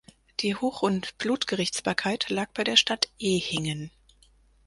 Die Hoch- und Blutgerichtsbarkeit lag bei der Stadt Ehingen.